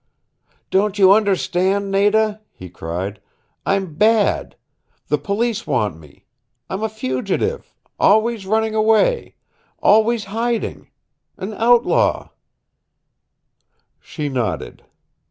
"Don't you understand, Nada?" he cried. "I'm bad. The police want me. I'm a fugitive always running away, always hiding an outlaw " She nodded.